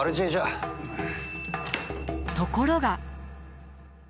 ところが。